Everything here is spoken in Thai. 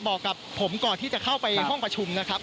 บอกกับผมก่อนที่จะเข้าไปห้องประชุมนะครับ